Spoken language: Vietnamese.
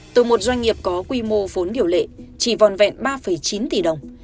từ một doanh nghiệp có quy mô vốn điều lệ chỉ vòn vẹn ba chín tỷ đồng